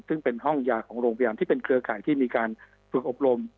ซึ่งเป็นห้องยาของโรงพยาบาลที่เป็นเครือข่ายที่มีการฝึกอบรม